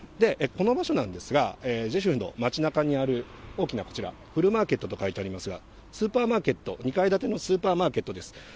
この場所なんですが、ジェシュフの街なかにある大きなこちら、フルマーケットと書いてありますが、スーパーマーケット、２階建てのスーパーマーケットです。